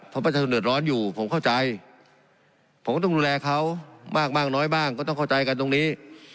เพราะมันจะเงินร้อนอยู่ผมเข้าใจผมต้องดูแลเขามากน้อยบ้างก็ต้องเข้าใจกันตรงนี้